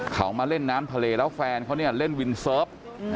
เขามาเล่นน้ำทะเลแล้วแฟนเขาเนี่ยเล่นวินเซิร์ฟ